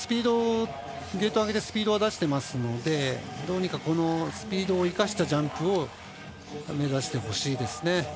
ゲート上げてスピードは出してますのでどうにかスピードを生かしたジャンプを目指してほしいですね。